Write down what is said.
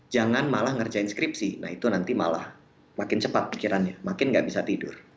jangan malah ngerjain skripsi nah itu nanti malah makin cepat pikirannya makin nggak bisa tidur